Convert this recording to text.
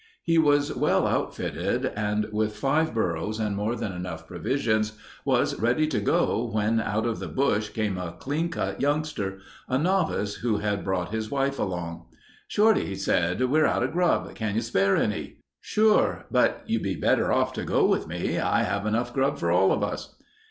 He was well outfitted and with five burros and more than enough provisions, was ready to go when, out of the bush came a cleancut youngster—a novice who had brought his wife along. "Shorty," he said, "we're out of grub. Can you spare any?" "Sure. But you'd be better off to go with me. I have enough grub for all of us."